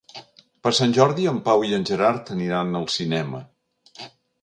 Per Sant Jordi en Pau i en Gerard aniran al cinema.